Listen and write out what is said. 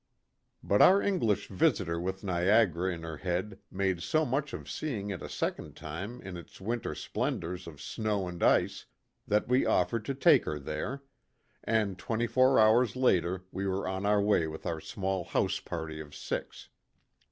But our English visitor with Niagara in her head made so much of seeing it a second time in its winter splendors of snow and ice that we offered to take her there ; and twenty four hours later we were on our way with our small house party of six.